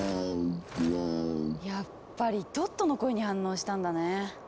やっぱりトットの声に反応したんだね。